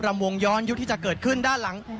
วงย้อนยุคที่จะเกิดขึ้นด้านหลัง